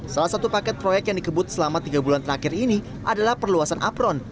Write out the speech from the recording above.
salah satu paket proyek yang dikebut selama tiga bulan terakhir ini adalah perluasan apron